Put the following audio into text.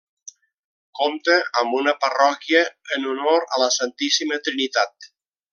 Compta amb una parròquia en honor a la Santíssima Trinitat.